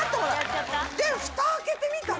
でもふた開けてみたら。